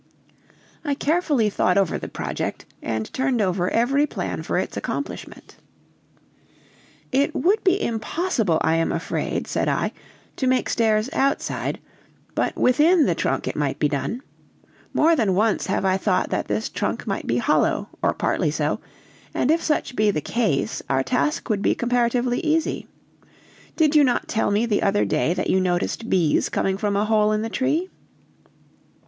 I carefully thought over the project, and turned over every plan for its accomplishment. "It would be impossible, I am afraid," said I, "to make stairs outside, but within the trunk it might be done. More than once have I thought that this trunk might be hollow, or partly so, and if such be the case our task would be comparatively easy. Did you not tell me the other day that you noticed bees coming from a hole in the tree?"